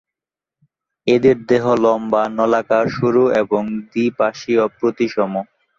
এদের দেহ লম্বা, নলাকার, সরু এবং দ্বিপাশীয় প্রতিসম।